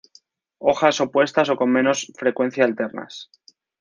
Hojas opuestas o con menos frecuencia alternas.